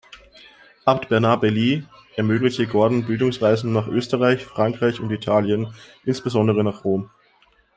Abt Bernhard Baillie ermöglichte Gordon Bildungsreisen nach Österreich, Frankreich und Italien, insbesondere nach Rom.